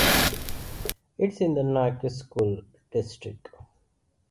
It is in the Nyack School District.